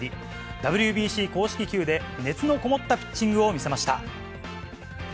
ＷＢＣ公式球で、熱のこもったピッチングを見せました。